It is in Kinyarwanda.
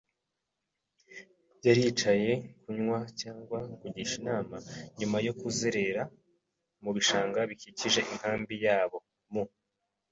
yari yicaye kunywa cyangwa kugisha inama nyuma yo kuzerera mu bishanga bikikije inkambi yabo. mu